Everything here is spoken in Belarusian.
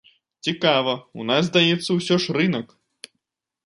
Цікава, у нас, здаецца, усё ж, рынак.